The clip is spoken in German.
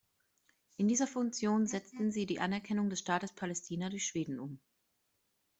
In dieser Funktion setzte sie die Anerkennung des Staates Palästina durch Schweden um.